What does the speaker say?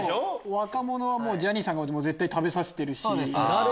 若者はジャニーさんが絶対食べさせてるし。